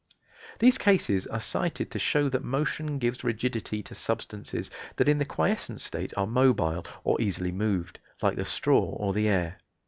These cases are cited to show that motion gives rigidity to substances that in the quiescent state are mobile or easily moved, like the straw or the air.